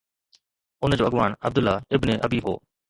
ان جو اڳواڻ Abdullah ibn Ubayy هو